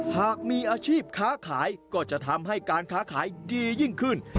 หากมีอาชีพค้าขายก็จะทำให้การค้าขายดียิ่งขึ้น